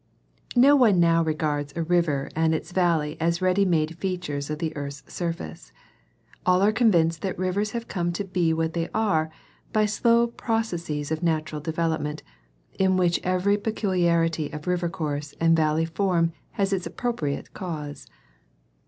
— l^o one now regards a river and its valley as ready made features of the earth's surface. All are convinced that rivers have come to be what they are by slow processes of natural development, in which every peculiarity of river course and valley form has its appropriate cause.